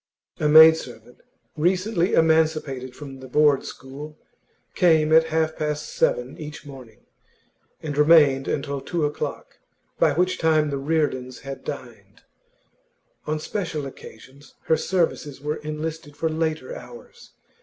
A maid servant, recently emancipated from the Board school, came at half past seven each morning, and remained until two o'clock, by which time the Reardons had dined; on special occasions, her services were enlisted for later hours.